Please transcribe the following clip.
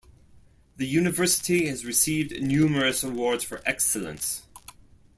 The University has received numerous awards for excellence.